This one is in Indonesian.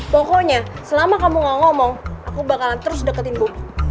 pokoknya selama kamu ngomong aku bakalan terus deketin bu